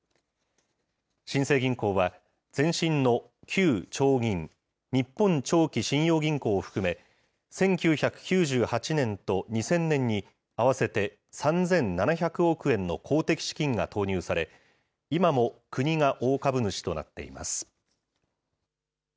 新生銀行は、前身の旧長銀・日本長期信用銀行を含め、１９９８年と２０００年に、合わせて３７００億円の公的資金が投入され、今も国が大株主となっています。